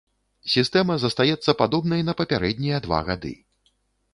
Сістэма застаецца падобнай на папярэднія два гады.